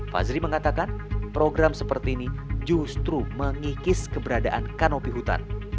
fazri mengatakan program seperti ini justru mengikis keberadaan kanopi hutan